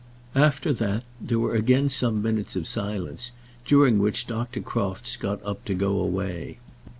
After that, there were again some minutes of silence during which Dr. Crofts got up to go away.